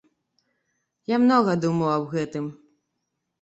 Я многа думаў аб гэтым.